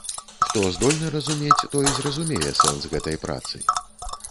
Хто здольны разумець, той зразумее сэнс гэтай працы.